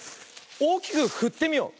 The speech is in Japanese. おおきくふってみよう。